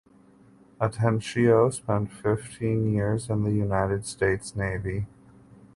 Atencio spent fifteen years in the United States Navy.